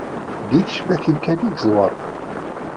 Di tecmatin kan i yeẓwer.